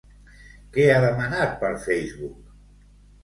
Què ha demanat per Facebook?